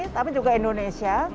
tapi juga indonesia